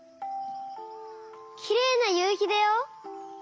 きれいなゆうひだよ！